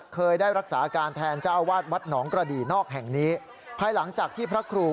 เคยได้รักษาการแทนเจ้าอาวาสวัสดิ์หนองกระดี่นอกแห่งนี้